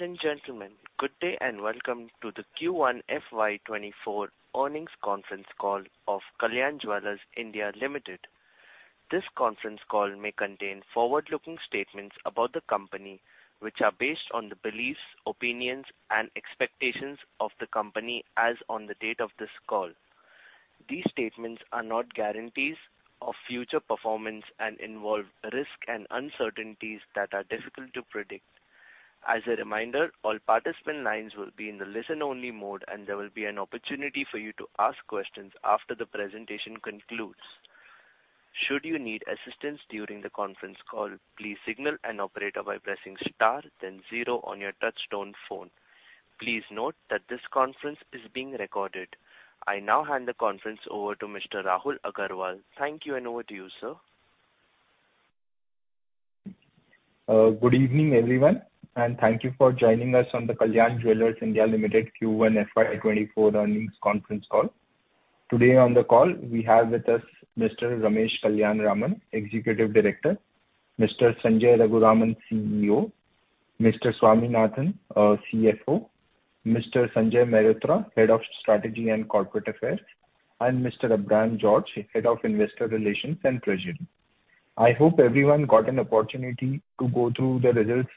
Ladies and gentlemen, good day, and welcome to the Q1 FY24 earnings conference call of Kalyan Jewellers India Limited. This conference call may contain forward-looking statements about the company, which are based on the beliefs, opinions, and expectations of the company as on the date of this call. These statements are not guarantees of future performance and involve risk and uncertainties that are difficult to predict. As a reminder, all participant lines will be in the listen-only mode, and there will be an opportunity for you to ask questions after the presentation concludes. Should you need assistance during the conference call, please signal an operator by pressing star, then 0 on your touchtone phone. Please note that this conference is being recorded. I now hand the conference over to Mr. Rahul Agarwal. Thank you, and over to you, sir. Good evening, everyone, and thank you for joining us on the Kalyan Jewellers India Limited Q1 FY24 earnings conference call. Today on the call, we have with us Mr. Ramesh Kalyanaraman, Executive Director, Mr. Sanjay Raghuraman, CEO, Mr. Swaminathan, CFO, Mr. Sanjay Mehrotra, Head of Strategy and Corporate Affairs, and Mr. Abraham George, Head of Investor Relations and Treasury. I hope everyone got an opportunity to go through the results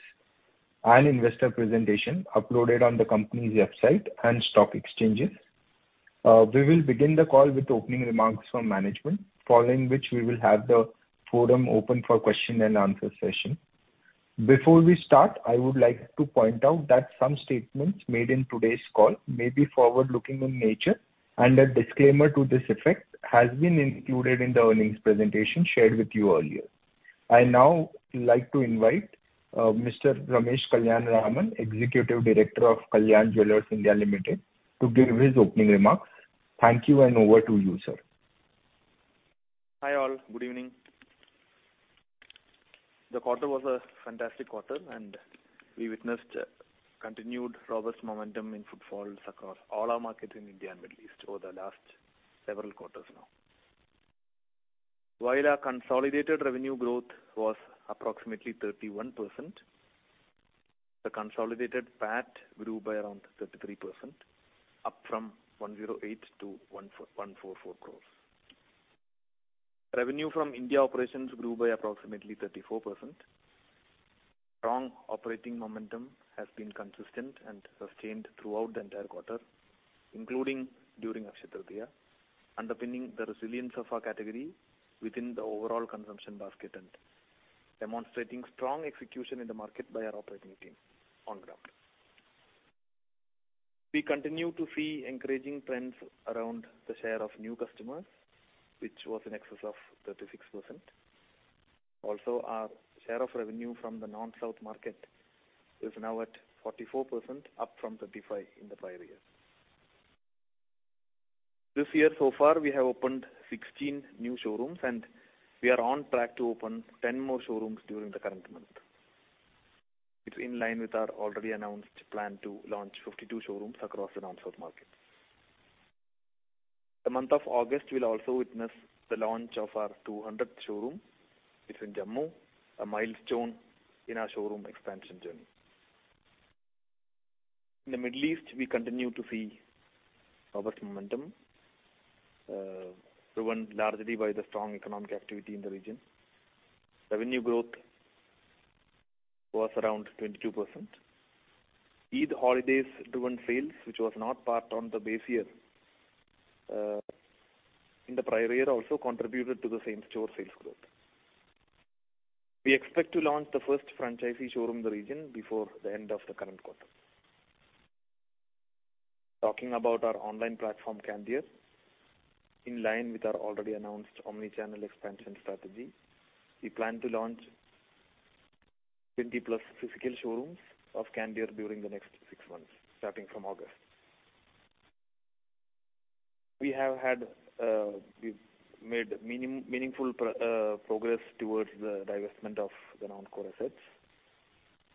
and investor presentation uploaded on the company's website and stock exchanges. We will begin the call with opening remarks from management, following which we will have the forum open for question and answer session. Before we start, I would like to point out that some statements made in today's call may be forward-looking in nature, and a disclaimer to this effect has been included in the earnings presentation shared with you earlier. I'd now like to invite, Mr. Ramesh Kalyanaraman, Executive Director of Kalyan Jewellers India Limited, to give his opening remarks. Thank you. Over to you, sir. Hi, all. Good evening. The quarter was a fantastic quarter, and we witnessed continued robust momentum in footfalls across all our markets in India and Middle East over the last several quarters now. While our consolidated revenue growth was approximately 31%, the consolidated PAT grew by around 33%, up from 108 to 144 crore. Revenue from India operations grew by approximately 34%. Strong operating momentum has been consistent and sustained throughout the entire quarter, including during Akshaya Tritiya, underpinning the resilience of our category within the overall consumption basket and demonstrating strong execution in the market by our operating team on ground. We continue to see encouraging trends around the share of new customers, which was in excess of 36%. Our share of revenue from the Non-South market is now at 44%, up from 35 in the prior year. This year so far, we have opened 16 new showrooms, and we are on track to open 10 more showrooms during the current month. It's in line with our already announced plan to launch 52 showrooms across the Non-South market. The month of August will also witness the launch of our 200th showroom. It's in Jammu, a milestone in our showroom expansion journey. In the Middle East, we continue to see robust momentum, driven largely by the strong economic activity in the region. Revenue growth was around 22%. Eid holidays-driven sales, which was not part on the base year, in the prior year, also contributed to the same-store sales growth. We expect to launch the first franchisee showroom in the region before the end of the current quarter. Talking about our online platform, Candere, in line with our already announced omni-channel expansion strategy, we plan to launch 20+ physical showrooms of Candere during the next 6 months, starting from August. We've made meaningful progress towards the divestment of the non-core assets,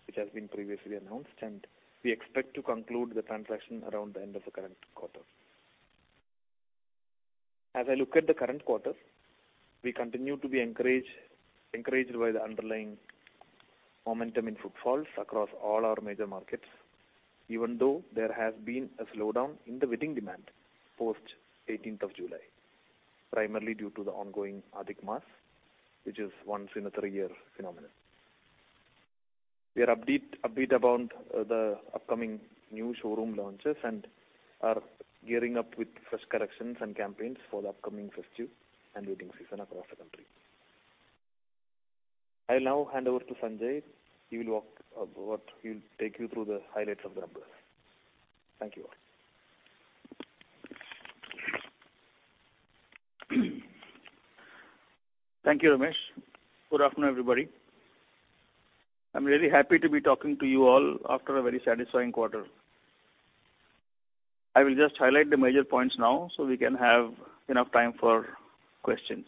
which has been previously announced, and we expect to conclude the transaction around the end of the current quarter. As I look at the current quarter, we continue to be encouraged, encouraged by the underlying momentum in footfalls across all our major markets, even though there has been a slowdown in the wedding demand post 18th of July, primarily due to the ongoing Adhik Maas, which is once-in-a-3-year phenomenon. We are update, upbeat about the upcoming new showroom launches and are gearing up with fresh collections and campaigns for the upcoming festive and wedding season across the country. I'll now hand over to Sanjay. He'll take you through the highlights of the numbers. Thank you all. Thank you, Ramesh. Good afternoon, everybody. I'm really happy to be talking to you all after a very satisfying quarter. I will just highlight the major points now, so we can have enough time for questions.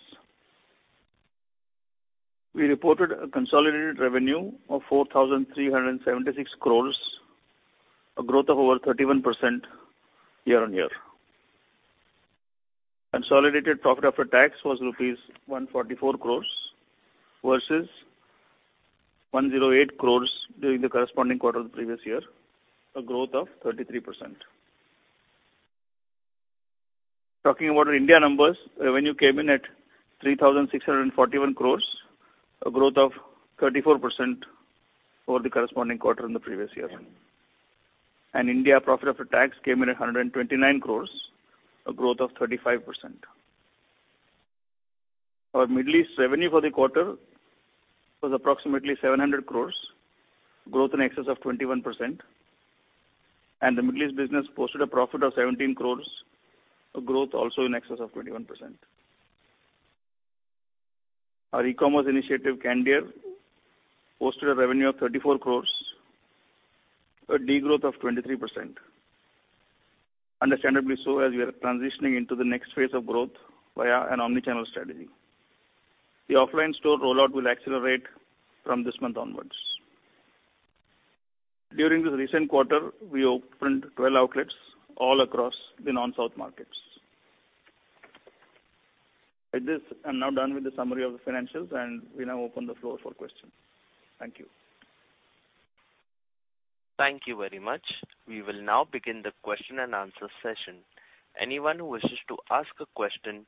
We reported a consolidated revenue of 4,376 crore, a growth of over 31% year-on-year. Consolidated profit after tax was rupees 144 crore, versus 108 crore during the corresponding quarter of the previous year, a growth of 33%. Talking about our India numbers, revenue came in at 3,641 crore, a growth of 34% over the corresponding quarter in the previous year. India profit after tax came in at 129 crore, a growth of 35%. Our Middle East revenue for the quarter was approximately 700 crore, growth in excess of 21%, and the Middle East business posted a profit of 17 crore, a growth also in excess of 21%. Our e-commerce initiative, Candere, posted a revenue of 34 crore, a degrowth of 23%. Understandably so, as we are transitioning into the next phase of growth via an omni-channel strategy. The offline store rollout will accelerate from this month onwards. During this recent quarter, we opened 12 outlets all across the Non-South markets. With this, I'm now done with the summary of the financials, and we now open the floor for questions. Thank you. Thank you very much. We will now begin the question and answer session. Anyone who wishes to ask a question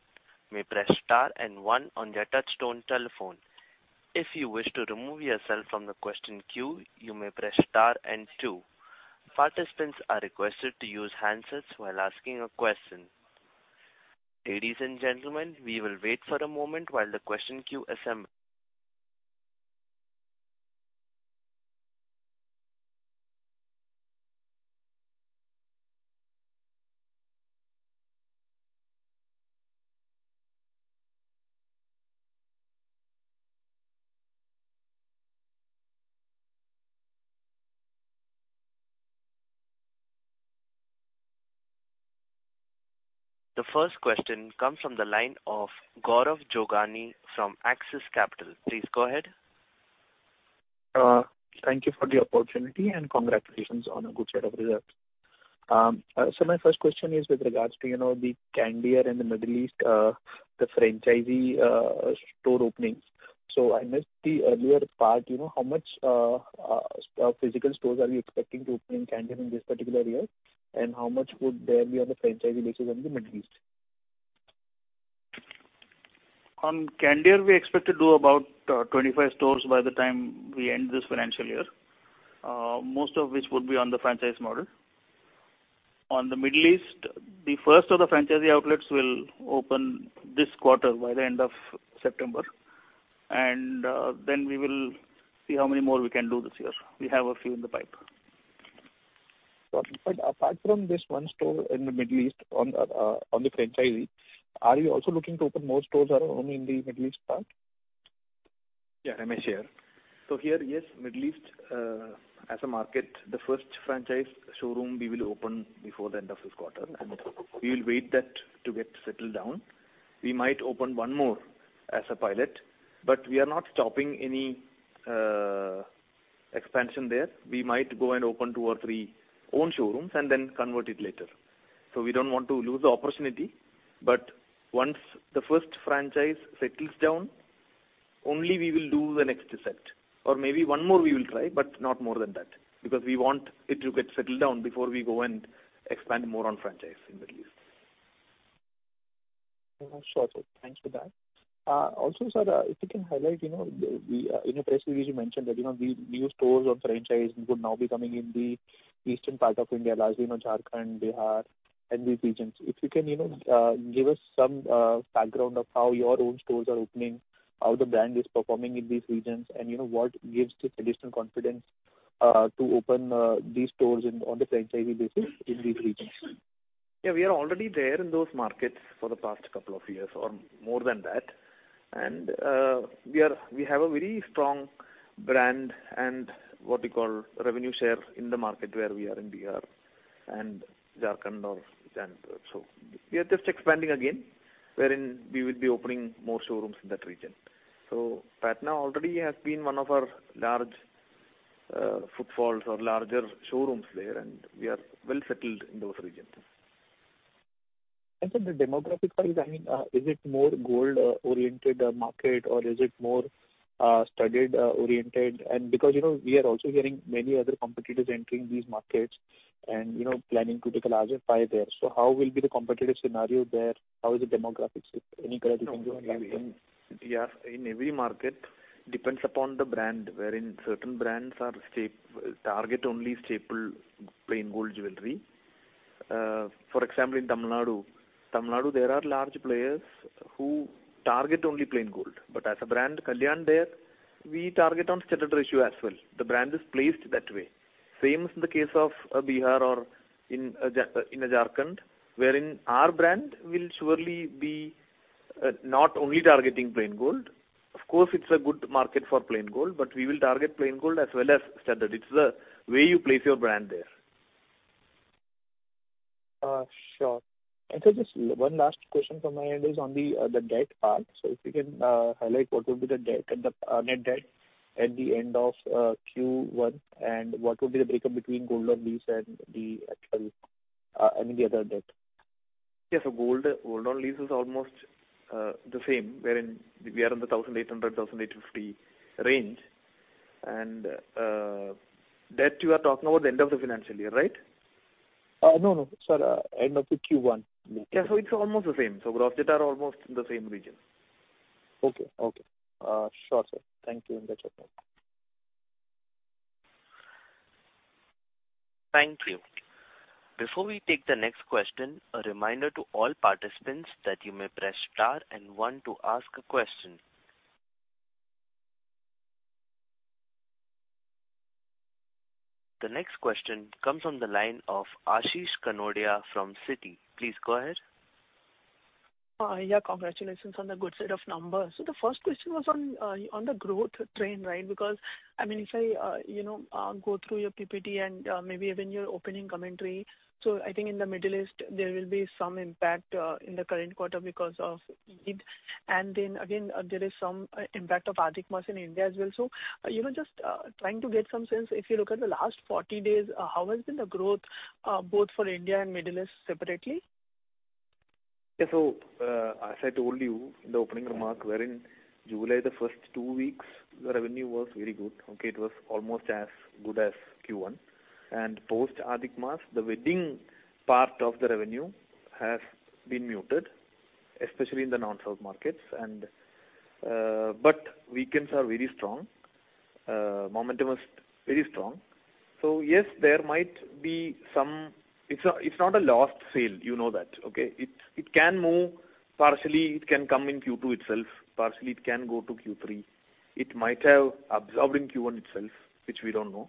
may press star 1 on their touchtone telephone. If you wish to remove yourself from the question queue, you may press star 2. Participants are requested to use handsets while asking a question. Ladies and gentlemen, we will wait for a moment while the question queue assem... The first question comes from the line of Gaurav Jogani from Axis Capital. Please go ahead. Thank you for the opportunity and congratulations on a good set of results. My first question is with regards to, you know, the Candere in the Middle East, the franchisee store openings. I missed the earlier part, you know, how much physical stores are you expecting to open in Candere in this particular year? How much would there be on a franchisee basis in the Middle East? On Candere, we expect to do about 25 stores by the time we end this financial year, most of which would be on the franchise model. On the Middle East, the first of the franchisee outlets will open this quarter by the end of September, and then we will see how many more we can do this year. We have a few in the pipe. Apart from this one store in the Middle East on the, on the franchisee, are you also looking to open more stores or only in the Middle East part? Yeah, I may share. Here, yes, Middle East, as a market, the first franchise showroom we will open before the end of this quarter, and we will wait that to get settled down. We might open one more as a pilot, we are not stopping any expansion there. We might go and open two or three own showrooms and then convert it later. We don't want to lose the opportunity, but once the first franchise settles down, only we will do the next set, or maybe one more we will try, but not more than that, because we want it to get settled down before we go and expand more on franchise in Middle East. Sure, sir. Thanks for that. Also, sir, if you can highlight, you know, we in your press release you mentioned that, you know, the new stores or franchisees would now be coming in the eastern part of India, like, you know, Jharkhand, Bihar, and these regions. If you can, you know, give us some background of how your own stores are opening, how the brand is performing in these regions, and, you know, what gives the additional confidence to open these stores on the franchisee basis in these regions? Yeah, we are already there in those markets for the past couple of years or more than that. We have a very strong brand and what we call revenue share in the market where we are in Bihar and Jharkhand or Jharkhand. We are just expanding again, wherein we will be opening more showrooms in that region. Patna already has been one of our large footfalls or larger showrooms there, and we are well settled in those regions. The demographic-wise, I mean, is it more gold oriented market or is it more studded oriented? Because, you know, we are also hearing many other competitors entering these markets and, you know, planning to take a larger pie there. How will be the competitive scenario there? How is the demographics? Any color you can give on that one? Yeah, in every market, depends upon the brand, wherein certain brands are target only staple plain gold jewelry. For example, in Tamil Nadu. Tamil Nadu, there are large players who target only plain gold, but as a brand, Kalyan there, we target on studded ratio as well. The brand is placed that way. Same as in the case of Bihar or in Jharkhand, wherein our brand will surely be not only targeting plain gold, of course, it's a good market for plain gold, but we will target plain gold as well as studded. It's the way you place your brand there. Sure. Just 1 last question from my end is on the debt part. If you can highlight what will be the debt and the net debt?... at the end of Q1, and what would be the breakup between gold on lease and the actual, I mean, the other debt? Yes, gold, gold on lease is almost the same, wherein we are in the 1,800-1,850 range. Debt, you are talking about the end of the financial year, right? No, no, sir, end of the Q1. Yeah. It's almost the same. Gross debt are almost in the same region. Okay. Okay. sure, sir. Thank you, and that's okay. Thank you. Before we take the next question, a reminder to all participants that you may press star and one to ask a question. The next question comes from the line of Ashish Kanodia from Citi. Please go ahead. Yeah, congratulations on the good set of numbers. The first question was on the growth trend, right? Because, I mean, if I, you know, go through your PPT and maybe even your opening commentary, I think in the Middle East, there will be some impact in the current quarter because of Eid. Then again, there is some impact of Adhik Maas in India as well. You know, just trying to get some sense, if you look at the last 40 days, how has been the growth, both for India and Middle East separately? Yeah. As I told you in the opening remark, wherein July, the first two weeks, the revenue was very good, okay? It was almost as good as Q1. Post Adhik Maas, the wedding part of the revenue has been muted, especially in the Non-South markets and. Weekends are very strong. Momentum is very strong. Yes, there might be some. It's not, it's not a lost sale, you know that, okay? It, it can move partially, it can come in Q2 itself, partially it can go to Q3. It might have absorbed in Q1 itself, which we don't know.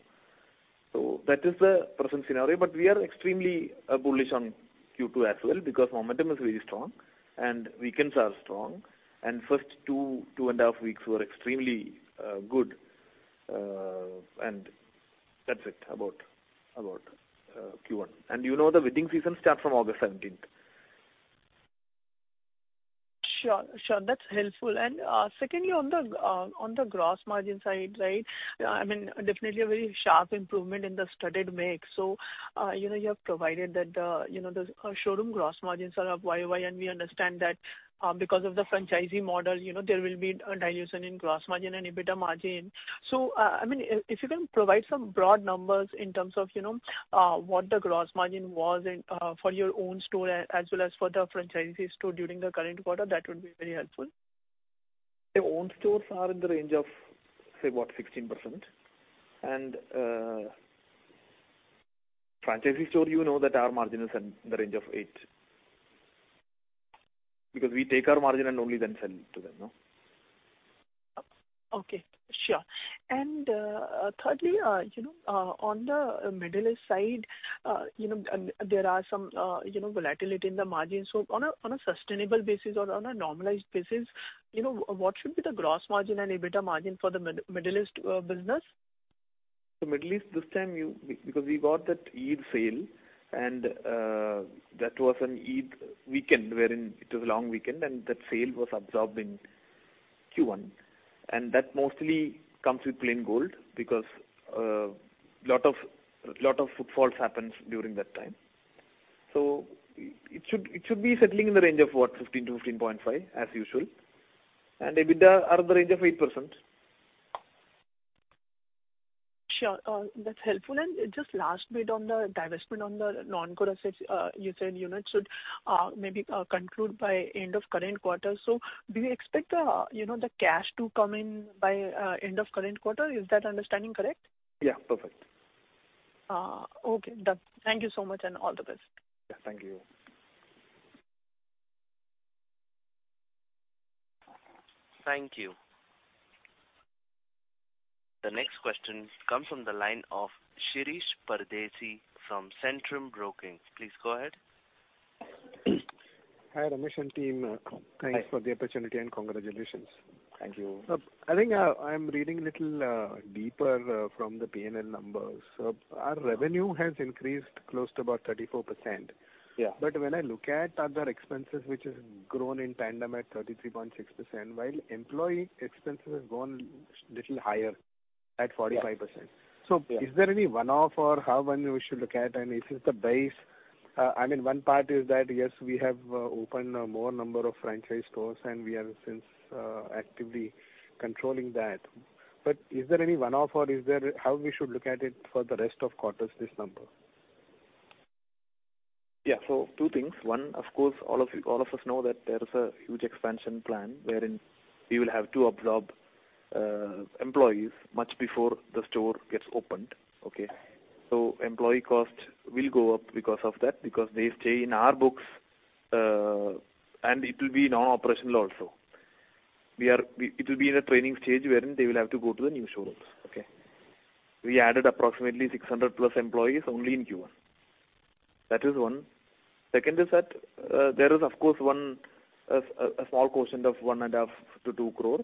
That is the present scenario. We are extremely bullish on Q2 as well, because momentum is very strong and weekends are strong, and first two, 2 and a half weeks were extremely good, and that's it about Q1. You know, the wedding season starts from August 17th. Sure, sure. That's helpful. Secondly, on the, on the gross margin side, right? I mean, definitely a very sharp improvement in the studded make. You know, you have provided that, you know, the showroom gross margins are up YOY, and we understand that, because of the franchisee model, you know, there will be a dilution in gross margin and EBITDA margin. I mean, if, if you can provide some broad numbers in terms of, you know, what the gross margin was in, for your own store as well as for the franchisee store during the current quarter, that would be very helpful. The own stores are in the range of, say, what? 16%. Franchisee store, you know, that our margin is in the range of 8. We take our margin and only then sell to them, no? Okay, sure. Thirdly, you know, on the Middle East side, you know, there are some, you know, volatility in the margins. On a, on a sustainable basis or on a normalized basis, you know, what should be the gross margin and EBITDA margin for the Middle East business? The Middle East this time, because we got that Eid sale, that was an Eid weekend, wherein it was a long weekend, and that sale was absorbed in Q1. That mostly comes with plain gold, because lot of, lot of footfalls happens during that time. It should, it should be settling in the range of what? 15%-15.5%, as usual, and EBITDA are in the range of 8%. Sure, that's helpful. Just last bit on the divestment on the non-core assets, you said units should maybe conclude by end of current quarter. Do you expect the, you know, the cash to come in by end of current quarter? Is that understanding correct? Yeah, perfect. Okay, done. Thank you so much, and all the best. Yeah, thank you. Thank you. The next question comes from the line of Shirish Pardeshi from Centrum Broking. Please go ahead. Hi, Ramesh and team. Hi. Thanks for the opportunity, and congratulations. Thank you. I think, I'm reading a little deeper from the P&L numbers. Our revenue has increased close to about 34%. Yeah. When I look at other expenses, which has grown in tandem at 33.6%, while employee expenses have grown a little higher- Yeah. at 45%. Yeah. Is there any one-off or how, when we should look at and this is the base? I mean, one part is that, yes, we have opened a more number of franchise stores and we are since actively controlling that. Is there any one-off or is there... How we should look at it for the rest of quarters, this number? Yeah. Two things. One, of course, all of you, all of us know that there is a huge expansion plan wherein we will have to absorb employees much before the store gets opened. Okay? Employee cost will go up because of that, because they stay in our books, and it will be non-operational also. It will be in a training stage wherein they will have to go to the new showrooms, okay? We added approximately 600+ employees only in Q1. That is one. Second is that, there is of course, one, a small quotient of 1.5 crore-2 crore.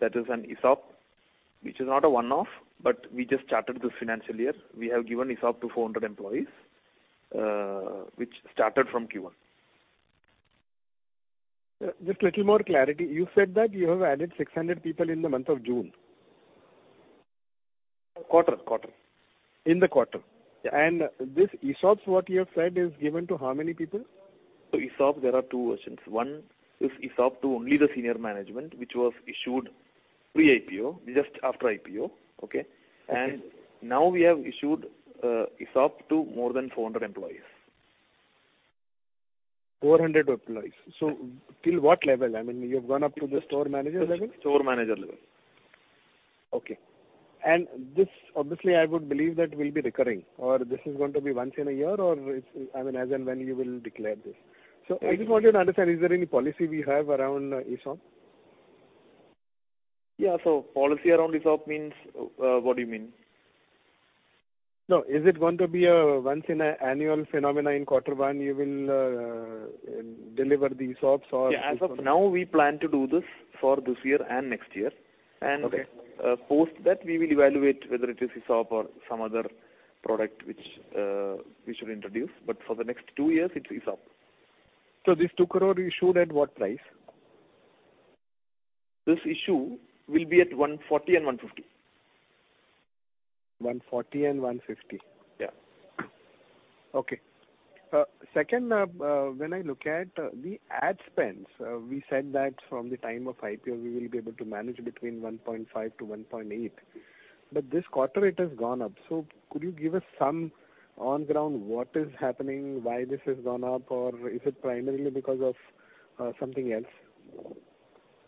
That is an ESOP, which is not a one-off, but we just started this financial year. We have given ESOP to 400 employees, which started from Q1.... Just a little more clarity. You said that you have added 600 people in the month of June. Quarter, quarter. In the quarter. This ESOPs, what you have said, is given to how many people? ESOP, there are 2 versions. 1 is ESOP to only the senior management, which was issued pre-IPO, just after IPO, okay? Okay. Now we have issued ESOP to more than 400 employees. 400 employees. Yes. Till what level? I mean, you've gone up to the store manager level? Store manager level. Okay. This, obviously, I would believe that will be recurring, or this is going to be once in a year, or it's, I mean, as and when you will declare this. I just want you to understand, is there any policy we have around ESOP? Yeah. Policy around ESOP means, what do you mean? No, is it going to be a once in a annual phenomena, in quarter one you will deliver the ESOPs or? Yeah, as of now, we plan to do this for this year and next year. Okay. Post that, we will evaluate whether it is ESOP or some other product which we should introduce. For the next two years, it's ESOP. This 2 crore issued at what price? This issue will be at 140 and 150. One forty and one fifty. Yeah. Okay. Second, when I look at the ad spends, we said that from the time of IPO, we will be able to manage between 1.5%-1.8%, but this quarter it has gone up. Could you give us some on ground, what is happening, why this has gone up, or is it primarily because of something else?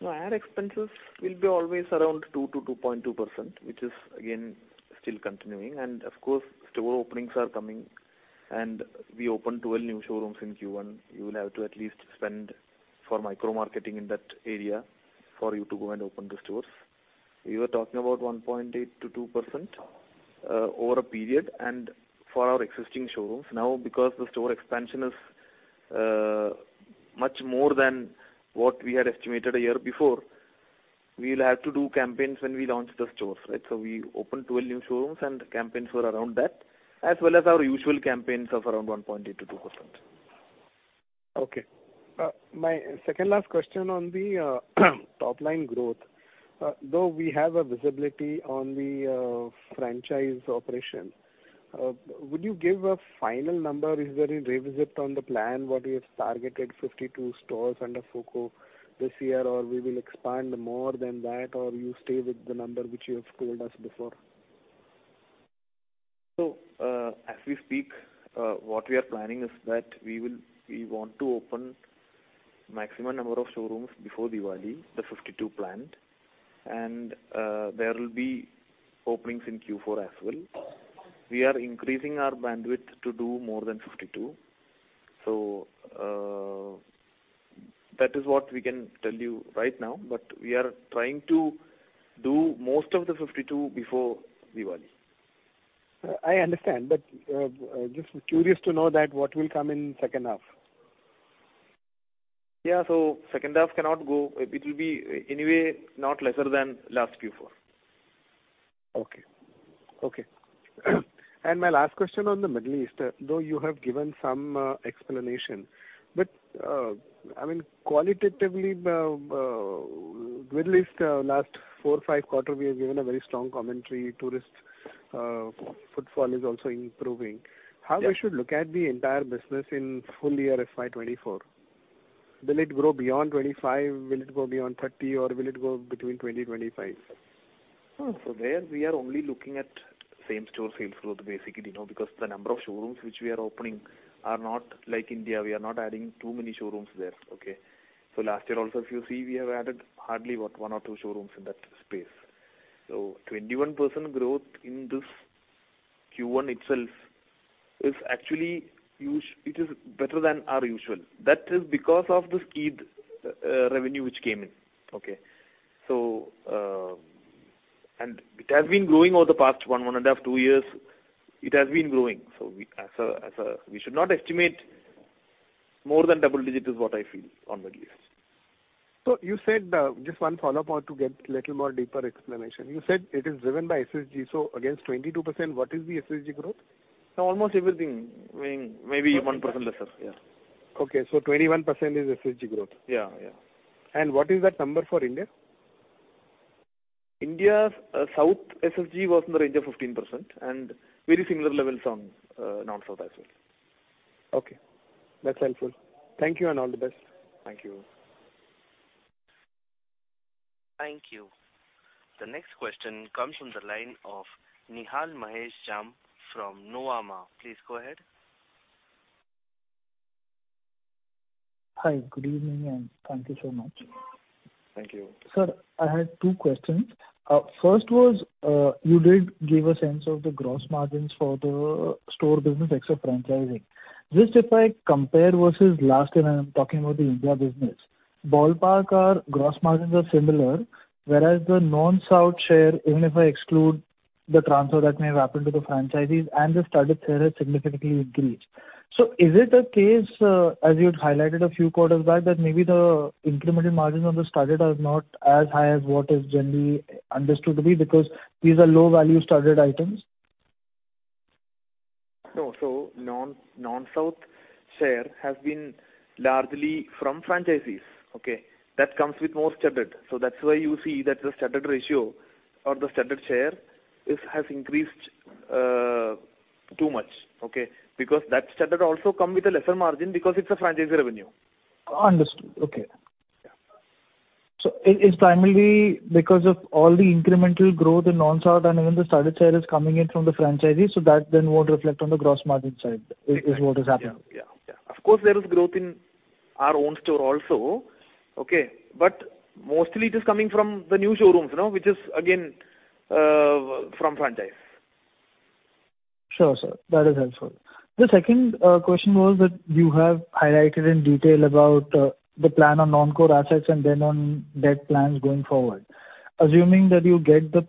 No, ad expenses will be always around 2%-2.2%, which is again, still continuing. Of course, store openings are coming, and we opened 12 new showrooms in Q1. You will have to at least spend for micro marketing in that area for you to go and open the stores. We were talking about 1.8%-2%, over a period, and for our existing showrooms. Because the store expansion is much more than what we had estimated a year before, we will have to do campaigns when we launch the stores, right? We opened 12 new showrooms, and campaigns were around that, as well as our usual campaigns of around 1.8%-2%. Okay. my second last question on the top line growth. though we have a visibility on the franchise operation, would you give a final number? Is there a revisit on the plan, what you have targeted, 52 stores under FOCO this year, or we will expand more than that, or you stay with the number which you have told us before? As we speak, what we are planning is that we want to open maximum number of showrooms before Diwali, the 52 planned, and there will be openins in Q4 as well. We are increasing our bandwidth to do more than 52. That is what we can tell you right now, but we are trying to do most of the 52 before Diwali. I understand, just curious to know that what will come in second half? Yeah, second half cannot go... It will be anyway, not lesser than last Q4. Okay. Okay. My last question on the Middle East, though you have given some explanation, but, I mean, qualitatively, Middle East, last 4, 5 quarter, we have given a very strong commentary. Tourist, footfall is also improving. Yeah. How we should look at the entire business in full year FY24? Will it grow beyond 25, will it go beyond 30, or will it go between 20 and 25? There we are only looking at same store sales growth, basically, you know, because the number of showrooms which we are opening are not like India. We are not adding too many showrooms there. Last year also, if you see, we have added hardly, what, one or two showrooms in that space. 21% growth in this Q1 itself is actually it is better than our usual. That is because of the Studded revenue which came in. And it has been growing over the past one, one and a half, two years, it has been growing. We should not estimate more than double-digit, is what I feel on Middle East. You said, just one follow-up on to get little more deeper explanation. You said it is driven by SSG, so against 22%, what is the SSG growth? almost everything, I mean, maybe 1% lesser. Yeah. Okay, 21% is SSG growth? Yeah, yeah. What is that number for India? India's, South SSG was in the range of 15%, and very similar levels on, North South as well. Okay, that's helpful. Thank you, and all the best. Thank you. Thank you. The next question comes from the line of Nihal Jham from Nuvama. Please go ahead. Hi, good evening, and thank you so much. Thank you. Sir, I had 2 questions. First was, you did give a sense of the gross margins for the store business extra franchising. Just if I compare versus last year, and I'm talking about the India business, ballpark, our gross margins are similar, whereas the Non-South share, even if I exclude the transfer that may happen to the franchisees and the Studded share, has significantly increased. Is it a case, as you had highlighted a few quarters back, that maybe the incremental margins on the Studded are not as high as what is generally understood to be, because these are low-value Studded items? No, Non-South share has been largely from franchisees, okay? That comes with more standard, that's why you see that the standard ratio or the standard share is, has increased too much, okay? That standard also come with a lesser margin because it's a franchisee revenue. Understood. Okay. It's primarily because of all the incremental growth in Non-South, even the standard share is coming in from the franchisees, so that then won't reflect on the gross margin side, is what is happening? Yeah. Yeah. Yeah. Of course, there is growth in our own store also, okay, but mostly it is coming from the new showrooms, you know, which is again, from franchise. Sure, sir. That is helpful. The second question was that you have highlighted in detail about the plan on non-core assets and then on debt plans going forward. Assuming that you get the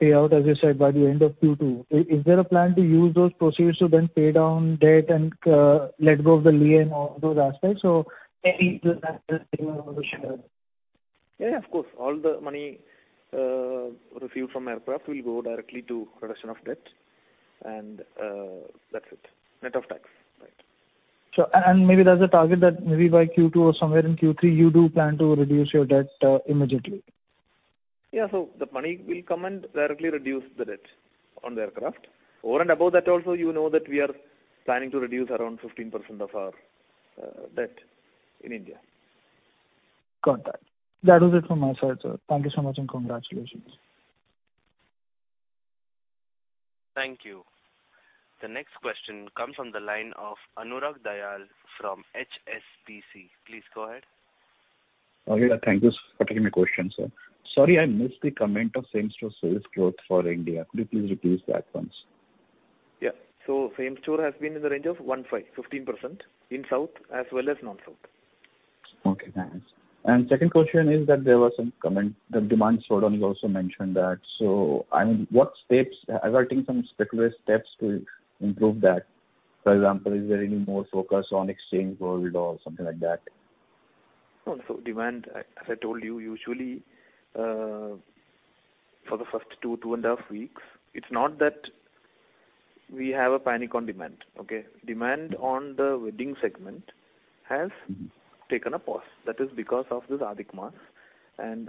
payout, as you said, by the end of Q2, is there a plan to use those proceeds to then pay down debt and let go of the lien on those aspects? Or any Yeah, of course. All the money received from aircraft will go directly to reduction of debt, and that's it. Net of tax, right. Sure. Maybe there's a target that maybe by Q2 or somewhere in Q3, you do plan to reduce your debt immediately. Yeah, the money will come and directly reduce the debt on the aircraft. Over and above that also, you know that we are planning to reduce around 15% of our debt in India. Got that. That was it from my side, sir. Thank you so much, and congratulations. Thank you. The next question comes from the line of Anurag Dayal from HSBC. Please go ahead. Okay, thank you for taking my question, sir. Sorry, I missed the comment of same-store sales growth for India. Could you please repeat that once? Yeah. same-store has been in the range of 15%, in South as well as Non-South. Okay, thanks. Second question is that there was some comment, the demand slowdown, you also mentioned that. I mean, what steps are taking some specific steps to improve that? For example, is there any more focus on exchange gold or something like that? No, so demand, as I told you, usually, for the first 2, 2 and a half weeks, it's not that we have a panic on demand, okay. Demand on the wedding segment has taken a pause. That is because of this Adhik Maas,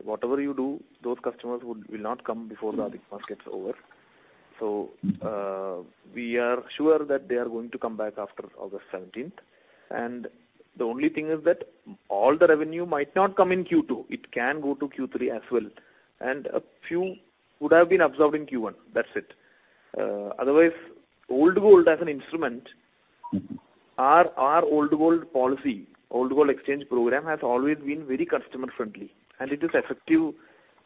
whatever you do, those customers will not come before the Adhik Maas gets over. We are sure that they are going to come back after August 17th. The only thing is that all the revenue might not come in Q2, it can go to Q3 as well, and a few would have been observed in Q1. That's it. Otherwise, old gold as an instrument, our old gold policy, old gold exchange program, has always been very customer-friendly, and it is effective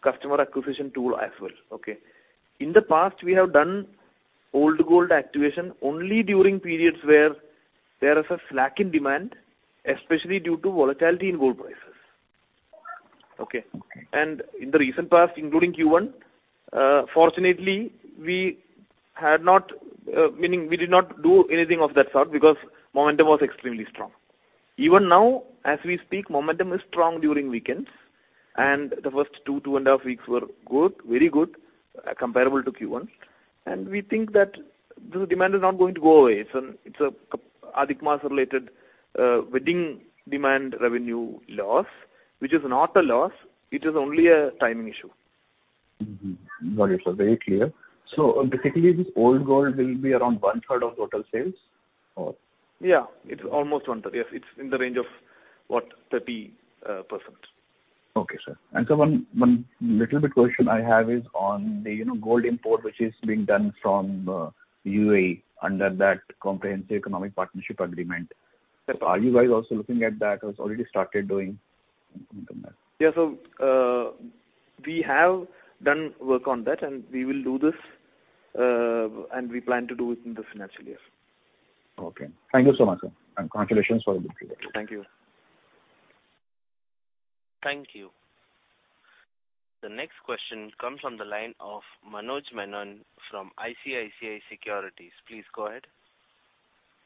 customer acquisition tool as well, okay. In the past, we have done old gold activation only during periods where there is a slack in demand, especially due to volatility in gold prices. Okay. Okay. In the recent past, including Q1, fortunately, we had not. Meaning, we did not do anything of that sort because momentum was extremely strong. Even now, as we speak, momentum is strong during weekends, and the first two, two and a half weeks were good, very good, comparable to Q1. We think that this demand is not going to go away. It's an, it's a Adhik Maas related, wedding demand revenue loss, which is not a loss, it is only a timing issue. Mm-hmm. Got it, sir. Very clear. Basically, this old gold will be around 1/3 of total sales, or? Yeah, it's almost 1/3. Yes, it's in the range of, what, 30%. Okay, sir. One, one little bit question I have is on the, you know, gold import, which is being done from UAE, under that Comprehensive Economic Partnership Agreement. Are you guys also looking at that, or it's already started doing that? Yeah. We have done work on that, and we will do this, and we plan to do it in this financial year. Okay. Thank you so much, sir, congratulations for a good year. Thank you. Thank you. The next question comes from the line of Manoj Menon from ICICI Securities. Please go ahead.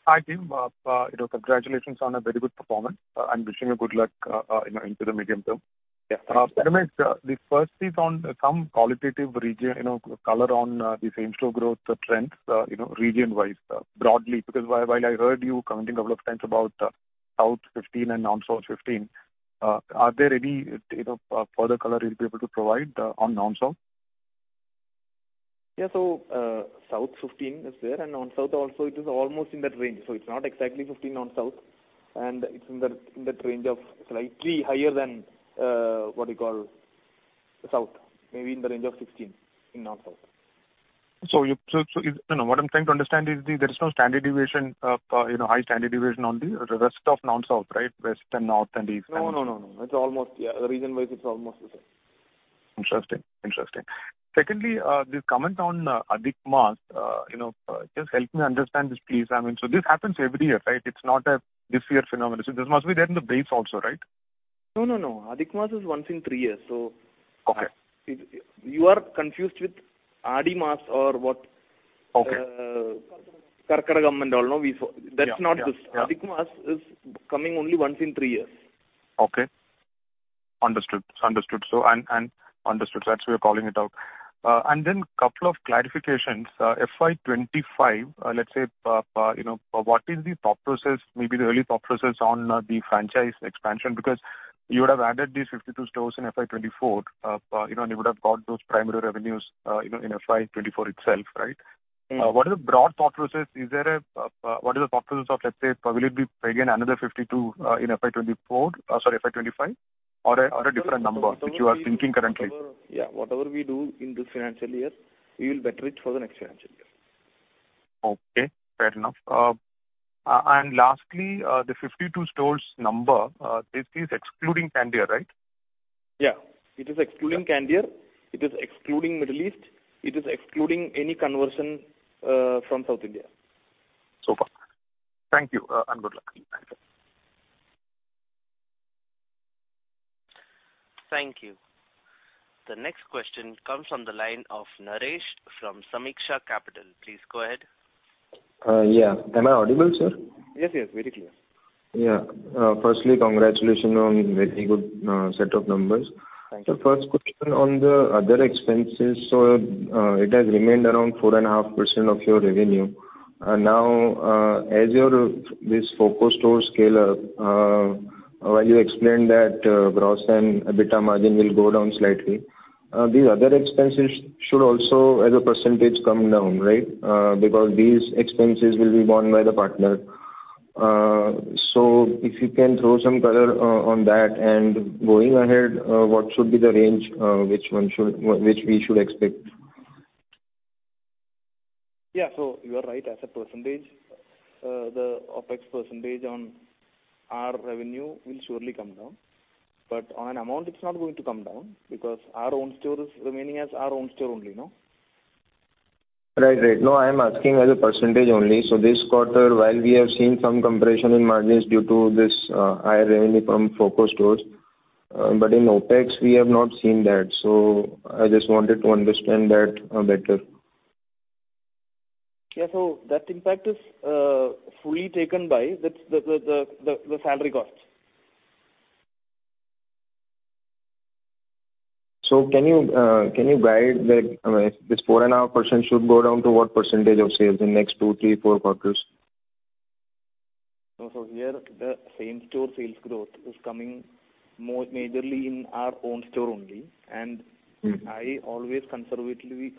Hi, team. You know, congratulations on a very good performance. I'm wishing you good luck, you know, into the medium term. Yeah. First is on some qualitative region, you know, color on the same-store growth trends, you know, region-wise, broadly, because while, while I heard you commenting a couple of times about South 15 and non-South 15, are there any, you know, further color you'll be able to provide on non-South? Yeah. South 15 is there, and Non-South also, it is almost in that range. It's not exactly 15 Non-South, and it's in that, in that range of slightly higher than, what do you call, South. Maybe in the range of 16, in Non-South. you know, what I'm trying to understand is there is no standard deviation, you know, high standard deviation on the rest of Non-South, right? West and North and East. No, no, no, no. It's almost, yeah, region-wise, it's almost the same. Interesting. Interesting. Secondly, this comment on Adhik Maas, you know, just help me understand this, please. I mean, this happens every year, right? It's not a this year phenomenon. This must be there in the base also, right? No, no, no. Adhik Maas is once in 3 years, so- Okay. You are confused with Adhik Maas or what? Okay. Karkidakam and all, no? Yeah. That's not this. Yeah. Adhik Maas is coming only once in three years. Understood. Understood. And understood. That's why we're calling it out. Then couple of clarifications. FY 2025, let's say, you know, what is the thought process, maybe the early thought process on the franchise expansion? Because you would have added these 52 stores in FY 2024, you know, and you would have got those primary revenues, you know, in FY 2024 itself, right? Mm. What is the broad thought process? Is there a, what is the thought process of, let's say, will it be again another 52 in FY 2024, sorry, FY 2025, or a, or a different number which you are thinking currently? Yeah. Whatever we do in this financial year, we will better it for the next financial year. Okay, fair enough. Lastly, the 52 stores number, this is excluding Candere, right? Yeah. It is excluding Candere, it is excluding Middle East, it is excluding any conversion from South India. Far. Thank you, and good luck. Thank you. Thank you. The next question comes from the line of Naresh from Sameeksha Capital. Please go ahead. Yeah. Am I audible, sir? Yes, yes, very clear. Yeah. Firstly, congratulations on very good set of numbers. Thank you. The first question on the other expenses, it has remained around 4.5% of your revenue. Now, as your, this FOCO store scale up, while you explained that, gross and EBITDA margin will go down slightly, these other expenses should also, as a percentage, come down, right? Because these expenses will be borne by the partner. If you can throw some color on that, and going ahead, what should be the range which we should expect? Yeah. You are right. As a %, the OpEx % on our revenue will surely come down. On an amount, it's not going to come down, because our own store is remaining as our own store only, no? Right. Right. No, I am asking as a % only. This quarter, while we have seen some compression in margins due to this, higher revenue from FOCO stores, but in OpEx we have not seen that. I just wanted to understand that better. Yeah. That impact is fully taken by the salary costs. Can you, can you guide, like, I mean, this 4.5% should go down to what percentage of sales in next 2, 3, 4 quarters? No. Here, the same-store sales growth is coming more majorly in our own store only. Mm. I always conservatively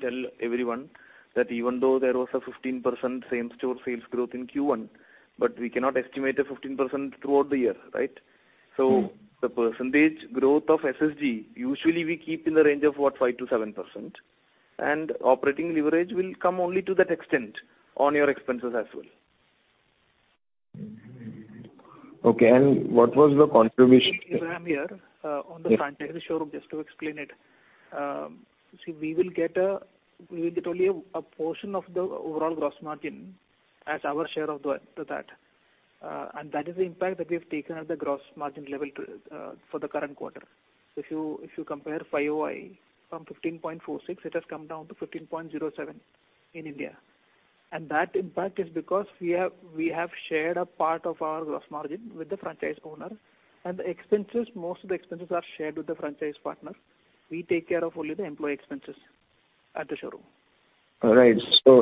tell everyone that even though there was a 15% same-store sales growth in Q1, we cannot estimate a 15% throughout the year, right? Mm. The percentage growth of SSG, usually we keep in the range of what? 5% to 7%, and operating leverage will come only to that extent on your expenses as well. Okay, what was the contribution- I am here on the franchisee showroom, just to explain it. See, we will get, we will get only a portion of the overall gross margin as our share of the that. That is the impact that we have taken at the gross margin level for the current quarter. So if you, if you compare FY from 15.46%, it has come down to 15.07% in India. That impact is because we have, we have shared a part of our gross margin with the franchise owner, and the expenses, most of the expenses are shared with the franchise partner. We take care of only the employee expenses at the showroom. All right.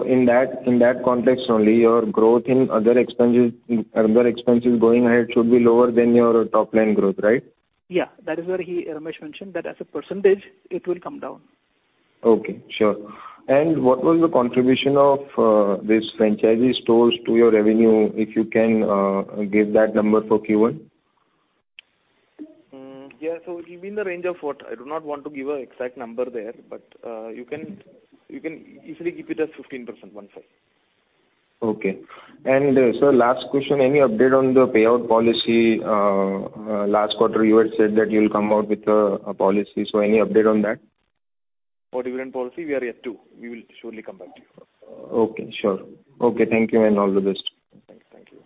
In that, in that context only, your growth in other expenses, other expenses going ahead should be lower than your top line growth, right? Yeah, that is where he, Ramesh mentioned that as a percentage, it will come down. Okay, sure. What was the contribution of this franchisee stores to your revenue, if you can give that number for Q1? Yeah, it'll be in the range of I do not want to give an exact number there, but you can, you can easily keep it as 15%, one five. Okay. Last question, any update on the payout policy? Last quarter, you had said that you'll come out with a, a policy, so any update on that? For dividend policy, we are yet to. We will surely come back to you. Okay, sure. Okay, thank you and all the best. Thank you.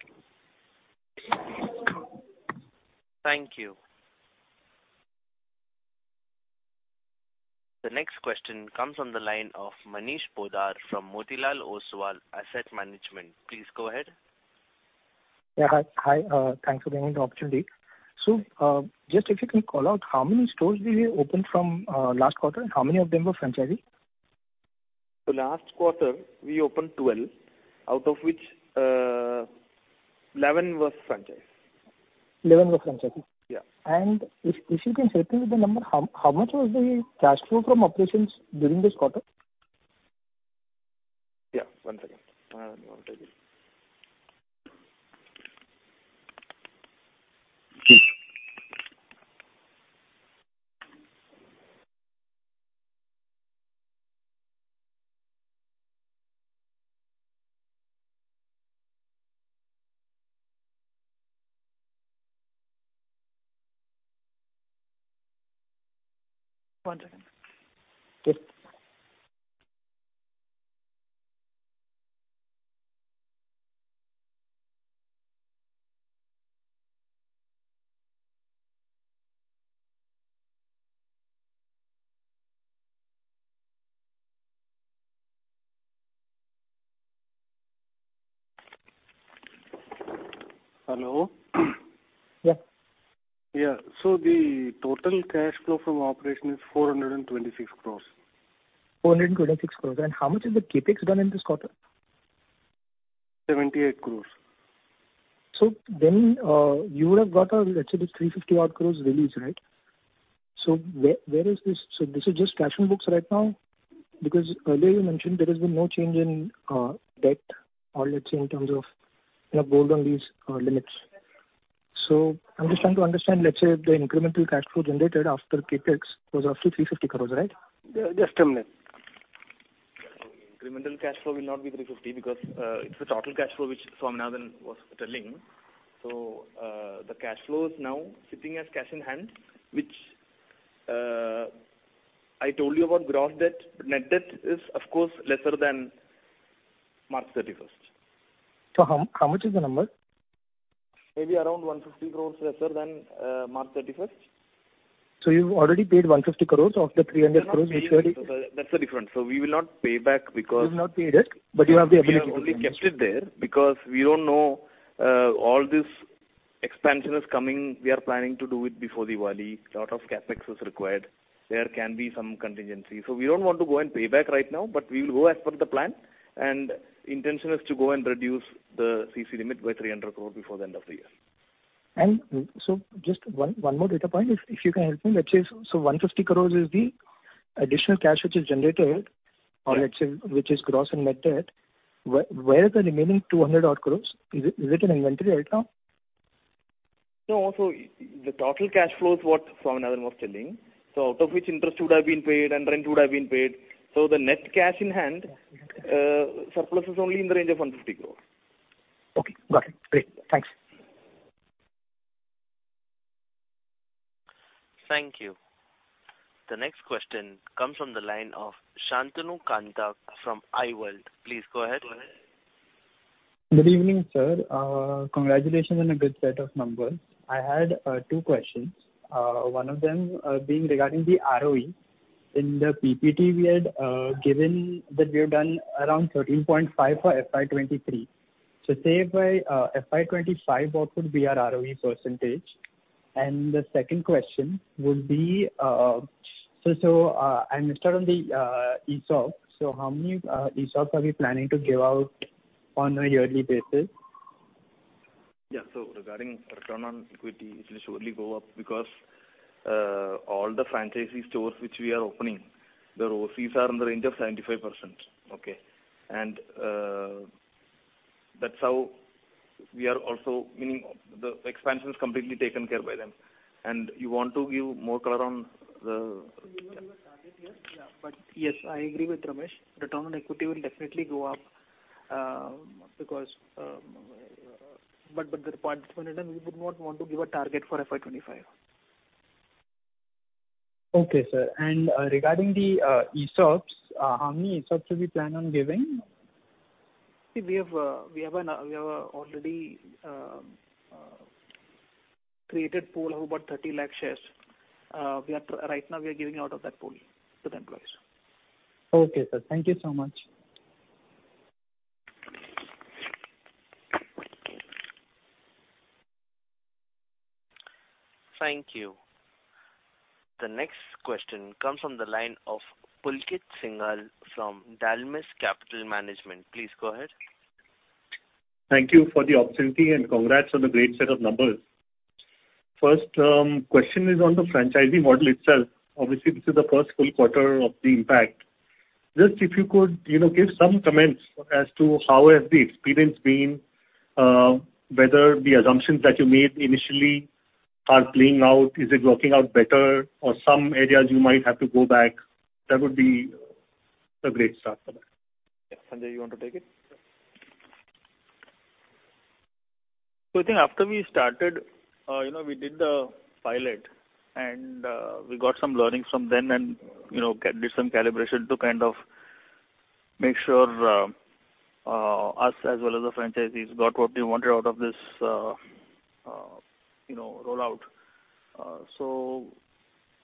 Thank you. The next question comes on the line of Manish Poddar from Motilal Oswal Asset Management. Please go ahead. Yeah, hi. Thanks for giving me the opportunity. Just if you can call out how many stores did you open from last quarter, and how many of them were franchisee? Last quarter, we opened 12, out of which, 11 was franchise. 11 was franchisee? Yeah. If, if you can share with me the number, how, how much was the cash flow from operations during this quarter? Yeah, one second. Let me double check. One second. Okay.... Hello? Yeah. Yeah. The total cash flow from operation is 426 crore. 426 crore. How much is the CapEx done in this quarter? 78 crores. You would have got a, let's say, 350 odd crore release, right? Where is this, so this is just cash on books right now? Because earlier you mentioned there has been no change in, debt or let's say, in terms of, you know, gold on these, limits. I'm just trying to understand, let's say, the incremental cash flow generated after CapEx was roughly 350 crore, right? Just a minute. Incremental cash flow will not be 350 because, it's the total cash flow which Swaminathan was telling. The cash flow is now sitting as cash in hand, which, I told you about gross debt. Net debt is, of course, lesser than March 31st. How, how much is the number? Maybe around 150 crore lesser than March 31st. You've already paid 150 crores of the 300 crores? That's the difference. We will not pay back because- You've not paid it, but you have the ability- We have only kept it there because we don't know, all this expansion is coming. We are planning to do it before Diwali. A lot of CapEx is required. There can be some contingency. We don't want to go and pay back right now, but we will go as per the plan, and intention is to go and reduce the CC limit by 300 crore before the end of the year. just 1, 1 more data point, if, if you can help me. Let's say, so 150 crore is the additional cash which is generated. Yeah. Or let's say, which is gross and net debt. Where is the remaining 200 odd crore? Is it, is it in inventory right now? No. The total cash flow is what Swaminathan was telling, so out of which interest would have been paid and rent would have been paid. The net cash in hand surplus is only in the range of 150 crore. Okay, got it. Great. Thanks. Thank you. The next question comes from the line of Shantanu Kantak from iWealth. Please go ahead. Good evening, sir. Congratulations on a good set of numbers. I had two questions, one of them being regarding the ROE. In the PPT, we had given that we have done around 13.5 for FY23. Say by FY25, what would be our ROE %? The second question would be, I'm going to start on the ESOP. How many ESOPs are we planning to give out on a yearly basis? Yeah. regarding return on equity, it will surely go up because, all the franchisee stores which we are opening, the ROEs are in the range of 95%. Okay? That's how we are also meaning the expansion is completely taken care by them. you want to give more color on the. Yeah. Yes, I agree with Ramesh. Return on equity will definitely go up, because... The point, we would not want to give a target for FY25. Okay, sir. Regarding the ESOPs, how many ESOPs do we plan on giving? We have already created pool of about 30 lakh shares. Right now we are giving out of that pool to the employees. Okay, sir. Thank you so much. Thank you. The next question comes from the line of Pulkit Singhal from Dalmus Capital Management. Please go much. Thank you for the opportunity, and congrats on the great set of numbers. First, question is on the franchisee model itself. Obviously, this is the first full quarter of the impact. Just if you could, you know, give some comments as to how has the experience been, whether the assumptions that you made initially are playing out, is it working out better or some areas you might have to go back? That would be a great start for that. Yeah. Sanjay, you want to take it? I think after we started, you know, we did the pilot, and we got some learnings from them and, you know, did some calibration to kind of make sure us as well as the franchisees got what we wanted out of this, you know, rollout.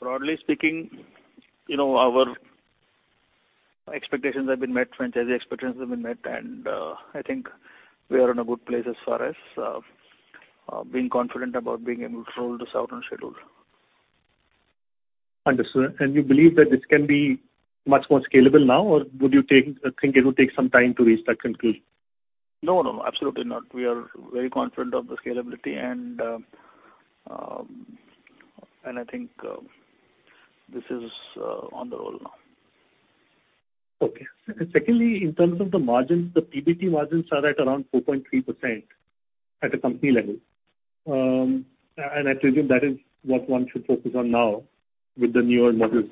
Broadly speaking, you know, our expectations have been met, franchisee expectations have been met, and I think we are in a good place as far as being confident about being able to roll this out on schedule. Understood. You believe that this can be much more scalable now, or would you think it would take some time to reach that conclusion? No, no, absolutely not. We are very confident of the scalability and I think this is on the roll now. Okay. Secondly, in terms of the margins, the PBT margins are at around 4.3% at a company level. I presume that is what one should focus on now with the newer models.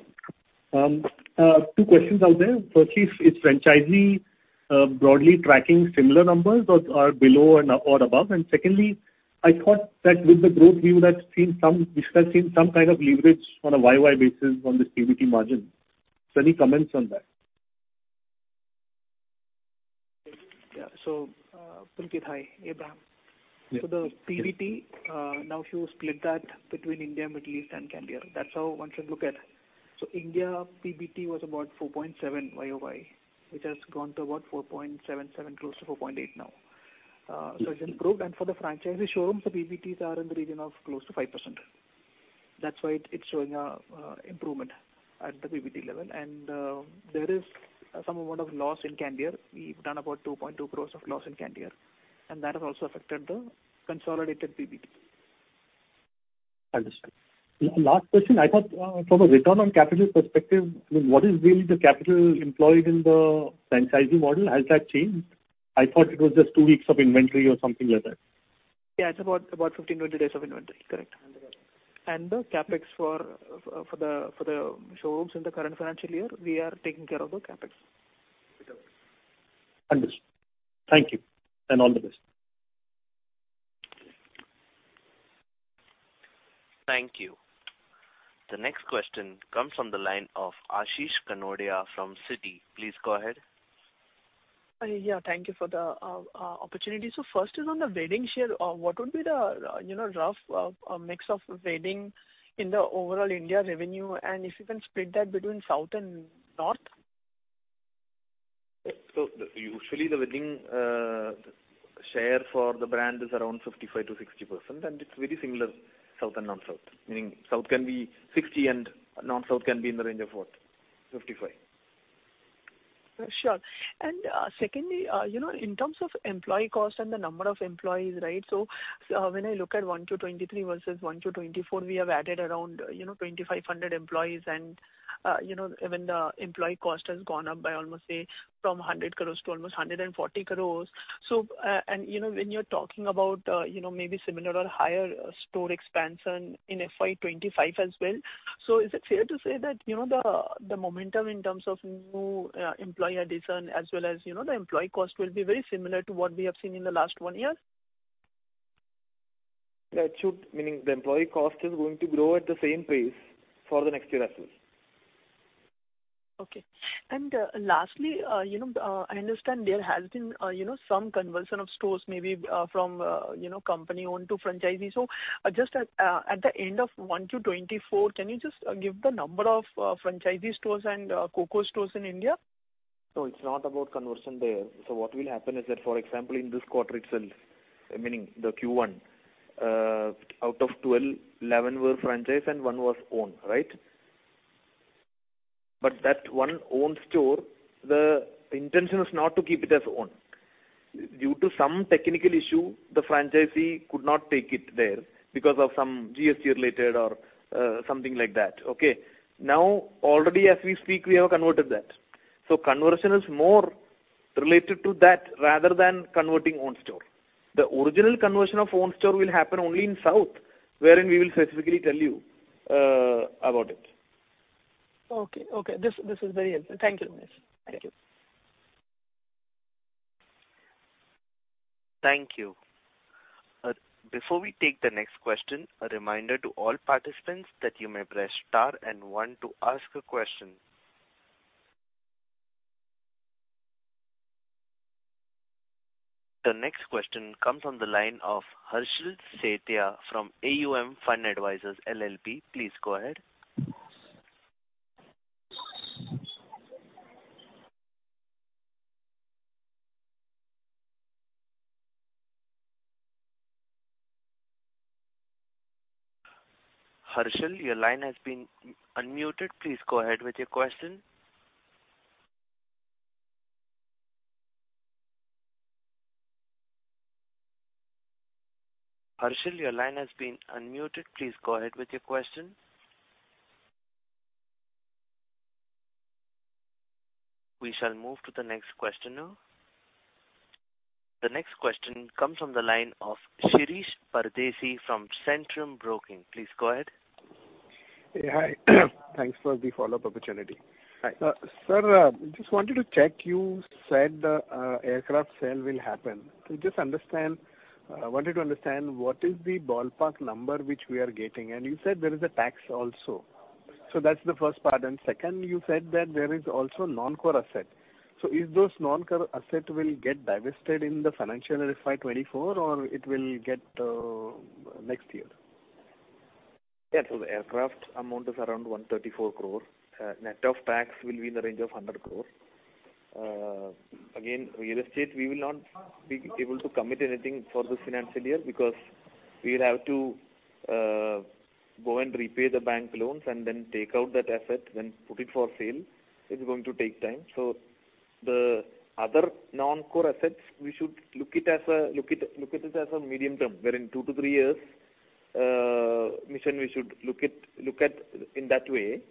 Two questions out there. Firstly, is franchisee, broadly tracking similar numbers or, are below or, or above? Secondly, I thought that with the growth, you would have seen some, discussing some kind of leverage on a YOY basis on this PBT margin. Any comments on that? Yeah. Pulkit, hi, Abraham here. The PBT, now if you split that between India, Middle East, and Candere, that's how one should look at. India PBT was about 4.7% YOY, which has gone to about 4.77%, close to 4.8% now. It's improved. For the franchisee showrooms, the PBTs are in the region of close to 5%. That's why it, it's showing an improvement at the PBT level. There is some amount of loss in Candere. We've done about 2.2 crore of loss in Candere, and that has also affected the consolidated PBT. Understood. Last question, I thought, from a return on capital perspective, I mean, what is really the capital employed in the franchising model? Has that changed? I thought it was just 2 weeks of inventory or something like that. Yeah, it's about, about 15, 20 days of inventory. Correct. The CapEx for the for the showrooms in the current financial year, we are taking care of the CapEx. Understood. Thank you, and all the best. Thank you. The next question comes from the line of Ashish Kanodia from Citi. Please go ahead. Yeah, thank you for the opportunity. First is on the wedding share. What would be the, you know, rough mix of wedding in the overall India revenue, and if you can split that between South and North? Usually, the wedding share for the brand is around 55%-60%, and it's very similar, south and north south. Meaning south can be 60, and north south can be in the range of what? 55. Sure. Secondly, you know, in terms of employee cost and the number of employees, right? When I look at 1 to 2023 versus 1 to 2024, we have added around, you know, 2,500 employees. You know, even the employee cost has gone up by almost, say, from 100 crore to almost 140 crore. You know, when you're talking about, you know, maybe similar or higher store expansion in FY 2025 as well, is it fair to say that, you know, the, the momentum in terms of new, employee addition as well as, you know, the employee cost will be very similar to what we have seen in the last 1 year? Yeah, it should. Meaning the employee cost is going to grow at the same pace for the next year as well. Okay. Lastly, you know, I understand there has been, you know, some conversion of stores, maybe, from, you know, company-owned to franchisee. So just at, at the end of 1 to 24, can you just give the number of, franchisee stores and, COCO stores in India? It's not about conversion there. What will happen is that, for example, in this quarter itself, meaning the Q1, out of 12, 11 were franchise and one was owned, right? That one owned store, the intention is not to keep it as owned. Due to some technical issue, the franchisee could not take it there because of some GST related or something like that. Okay. Already as we speak, we have converted that. Conversion is more related to that rather than converting owned store. The original conversion of owned store will happen only in South, wherein we will specifically tell you about it. Okay. Okay, this, this is very helpful. Thank you. Thank you. Thank you. Before we take the next question, a reminder to all participants that you may press star and one to ask a question. The next question comes on the line of Harshal Setia from AUM Fund Advisors LLP. Please go ahead. Harshal, your line has been unmuted. Please go ahead with your question. Harshal, your line has been unmuted. Please go ahead with your question. We shall move to the next question now. The next question comes from the line of Shirish Pardeshi from Centrum Broking. Please go ahead. Yeah, thanks for the follow-up opportunity. Hi. Sir, just wanted to check, you said, aircraft sale will happen. To just understand, wanted to understand what is the ballpark number which we are getting? You said there is a tax also. That's the first part, and second, you said that there is also non-core asset. If those non-core asset will get divested in the financial FY24 or it will get, next year? The aircraft amount is around 134 crore. Net of tax will be in the range of 100 crore. Again, real estate, we will not be able to commit anything for this financial year, because we'll have to go and repay the bank loans and then take out that asset, then put it for sale. It's going to take time. The other non-core assets, we should look at it as a medium-term, where in 2-3 years mission, we should look at in that way.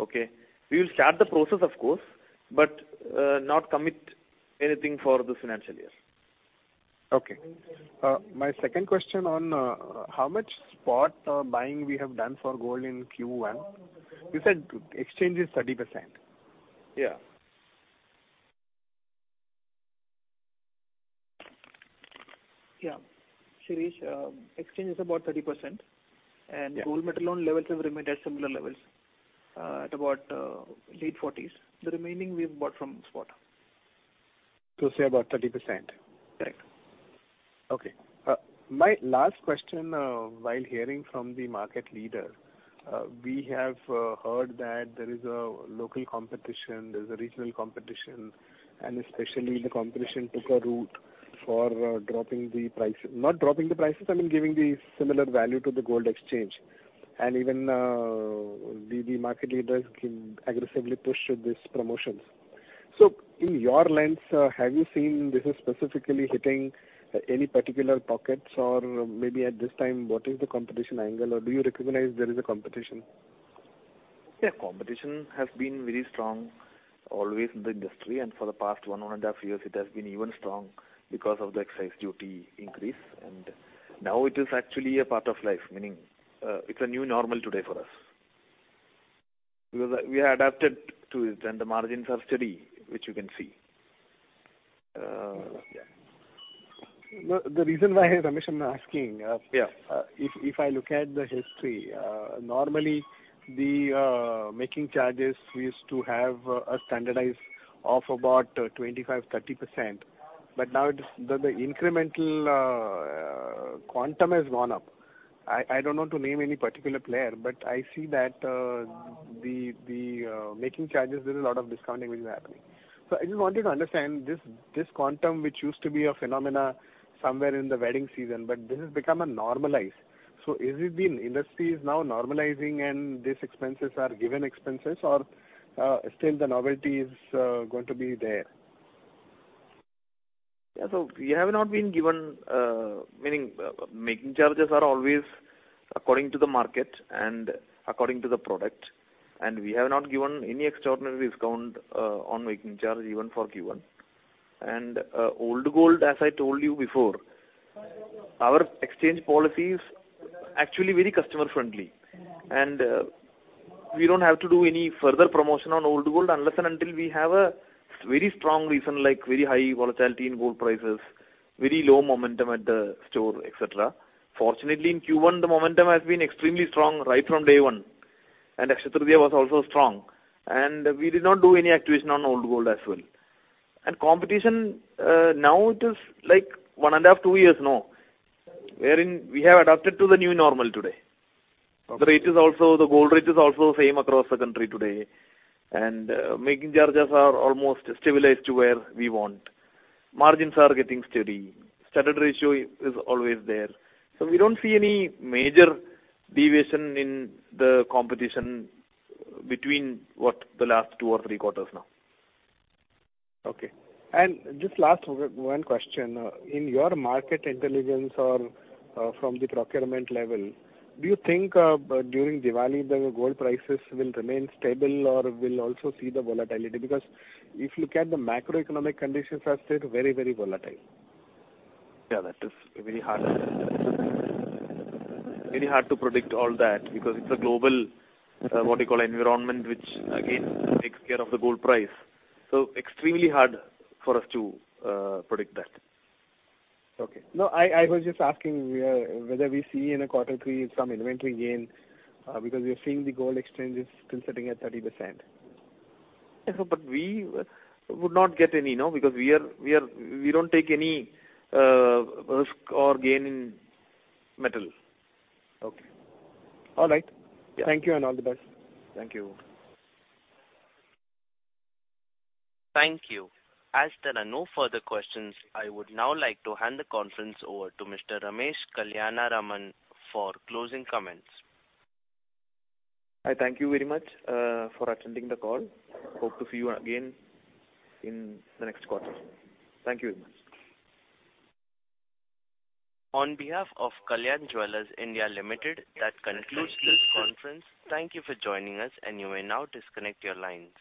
Okay? We will start the process, of course, but not commit anything for this financial year. Okay. My second question on how much spot buying we have done for gold in Q1? You said exchange is 30%. Yeah. Yeah. Shirish, exchange is about 30%, Gold Metal Loan levels have remained at similar levels. at about late 40s. The remaining we've bought from spot. Say about 30%? Correct. Okay. my last question, while hearing from the market leader, we have heard that there is a local competition, there's a regional competition, and especially the competition took a route for dropping the price. Not dropping the prices, I mean, giving the similar value to the gold exchange. Even, the, the market leaders can aggressively push with these promotions. In your lens, have you seen this is specifically hitting any particular pockets? Or maybe at this time, what is the competition angle, or do you recognize there is a competition? Yeah, competition has been very strong always in the industry. For the past one, 1.5 years, it has been even strong because of the Customs Duty increase. Now it is actually a part of life, meaning, it's a new normal today for us. We have adapted to it, and the margins are steady, which you can see. Yeah. The, the reason why I'm actually asking... Yeah. if, if I look at the history, normally the making charges, we used to have a standardized of about 25%-30%, but now it is the, the incremental quantum has gone up. I, I don't know to name any particular player, but I see that the making charges, there is a lot of discounting which is happening. I just wanted to understand this, this quantum, which used to be a phenomenon somewhere in the wedding season, but this has become a normalized. Is it the industry is now normalizing and these expenses are given expenses, or still the novelty is going to be there? Yeah. We have not been given, meaning making charges are always according to the market and according to the product, and we have not given any extraordinary discount, on making charge, even for Q1. Old gold, as I told you before, our exchange policy is actually very customer friendly, we don't have to do any further promotion on old gold unless and until we have a very strong reason, like very high volatility in gold prices, very low momentum at the store, et cetera. Fortunately, in Q1, the momentum has been extremely strong right from day one, and Akshaya Tritiya was also strong. We did not do any activation on old gold as well. Competition, now it is like 1 and a half, 2 years now, wherein we have adapted to the new normal today. Okay. The gold rate is also same across the country today, making charges are almost stabilized to where we want. Margins are getting steady. Standard ratio is always there. We don't see any major deviation in the competition between what, the last 2 or 3 quarters now. Okay. Just last 1 question. In your market intelligence or, from the procurement level, do you think, during Diwali, the gold prices will remain stable or will also see the volatility? If you look at the macroeconomic conditions are still very, very volatile. Yeah, that is very hard, very hard to predict all that, because it's a global, what you call, environment, which again, takes care of the gold price. Extremely hard for us to predict that. Okay. No, I, I was just asking, whether we see in a quarter three some inventory gain, because we are seeing the gold exchanges still sitting at 30%? Yeah, but we would not get any, no, because we are, we don't take any risk or gain in metal. Okay. All right. Yeah. Thank you, and all the best. Thank you. Thank you. As there are no further questions, I would now like to hand the conference over to Mr. Ramesh Kalyanaraman for closing comments. I thank you very much for attending the call. Hope to see you again in the next quarter. Thank you very much. On behalf of Kalyan Jewellers India Limited, that concludes this conference. Thank you for joining us, and you may now disconnect your lines.